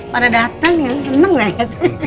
pada datang ya seneng lah ya